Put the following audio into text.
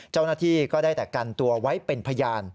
เจ้าหน้าที่ก็ได้แต่กันตัวไว้เป็นพยาน